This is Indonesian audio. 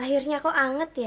akhirnya kok anget ya